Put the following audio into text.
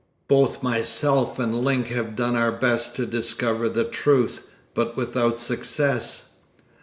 Both myself and Link have done our best to discover the truth, but without success."